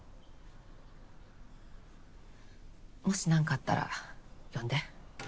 もし何かあったら呼んで。